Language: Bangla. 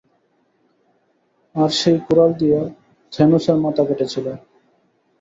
আর সেই কুড়াল দিয়ে থ্যানোসের মাথা কেটেছিল।